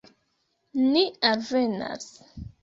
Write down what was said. Ni alvenas.